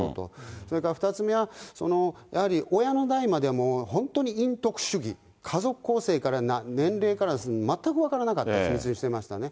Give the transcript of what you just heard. それから２つ目は、やはり親の代までも本当に隠匿主義、家族構成から年齢から全く分からなかった、秘密にしていたと話してましたね。